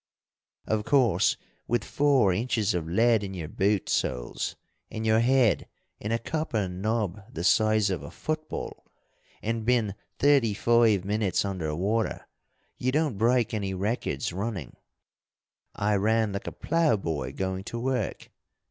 "Of course, with four inches of lead in your boot soles, and your head in a copper knob the size of a football, and been thirty five minutes under water, you don't break any records running. I ran like a ploughboy going to work.